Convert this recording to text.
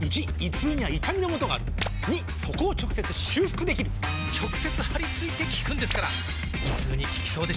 ①胃痛には痛みのもとがある②そこを直接修復できる直接貼り付いて効くんですから胃痛に効きそうでしょ？